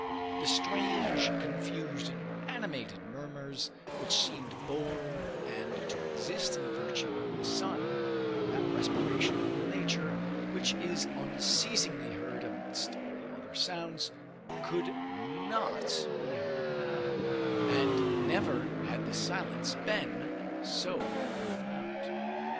The strange confused and animated murmurs, which seemed born and to exist in virtue of the sun, that respiration of nature which is unceasingly heard amidst all other sounds, could not be heard now, and never had the silence been so profound.